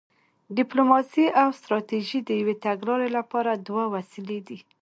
ډیپلوماسي او ستراتیژي د یوې تګلارې لپاره دوه وسیلې دي